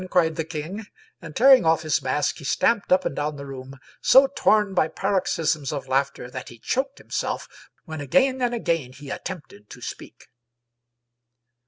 " cried the king, and tearing off his mask he stamped up and down the room, so torn by paroxysms of laughter that he choked himself when again and again he attempted to speak.